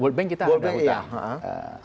world bank kita ada hutang